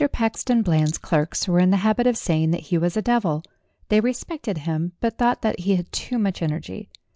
PAXTON ELAND'S clerks were in the habit of saying that he was a devil. They respected him, but thought that he had too much energy.